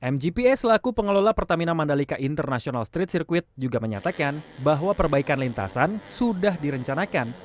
mgpa selaku pengelola pertamina mandalika international street circuit juga menyatakan bahwa perbaikan lintasan sudah direncanakan